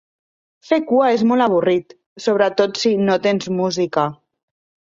Fer cua és molt avorrit, sobretot si no tens música.